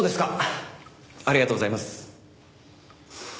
ありがとうございます。